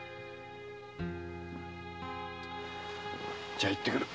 じゃあ行ってくる。